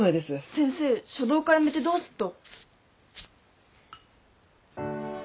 先生書道家辞めてどうすっと？